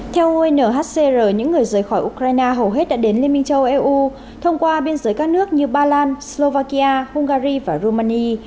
theo unhcr những người rời khỏi ukraine hầu hết đã đến liên minh châu âu eu thông qua biên giới các nước như ba lan slovakia hungary và romania